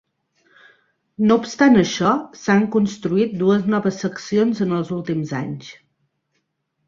No obstant això, s'han construït dues noves seccions en els últims anys.